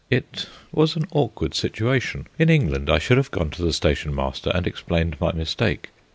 It was an awkward situation. In England, I should have gone to the stationmaster and explained my mistake.